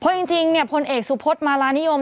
เพราะจริงเนี่ยพลเอกสุพธมาลานิยม